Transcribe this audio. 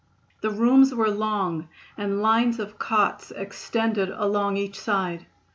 The rooms were long, and lines of cots extended along each side.